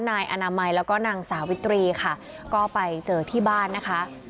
นายอนามัยแล้วก็นางสาวิตรีค่ะก็ไปเจอที่บ้านนะคะ